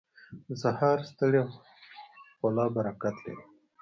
• د سهار ستړې خوله برکت لري.